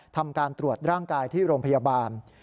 ทำการตรวจร่างกายที่โรงพยาบาล